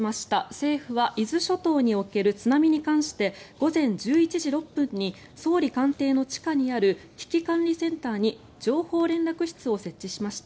政府は伊豆諸島における津波に関して午前１１時６分に総理官邸の地下にある危機管理センターに情報連絡室を設置しました。